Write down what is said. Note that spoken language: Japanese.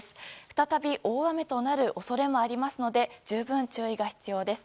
再び大雨となる恐れもありますので十分注意が必要です。